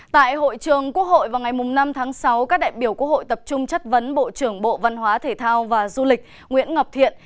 tại hội trường quốc hội vào ngày năm tháng sáu các đại biểu quốc hội tập trung chất vấn bộ trưởng bộ văn hóa thể thao và du lịch nguyễn ngọc thiện